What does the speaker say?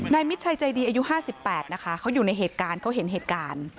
มิดชัยใจดีอายุ๕๘นะคะเขาอยู่ในเหตุการณ์เขาเห็นเหตุการณ์